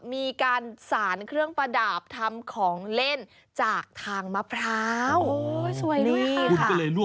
มีการสารเครื่องประดับทำของเล่นจากทางมะพร้าวโอ้สวยดี